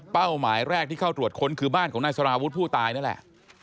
หมายแรกที่เข้าตรวจค้นคือบ้านของนายสารวุฒิผู้ตายนั่นแหละ